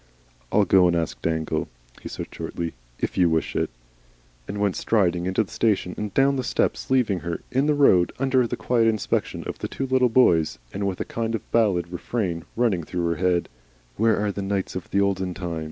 "I'll go and ask Dangle," he said, shortly. "If you wish it." And went striding into the station and down the steps, leaving her in the road under the quiet inspection of the two little boys, and with a kind of ballad refrain running through her head, "Where are the Knights of the Olden Time?"